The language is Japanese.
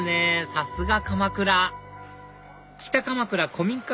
さすが鎌倉北鎌倉古民家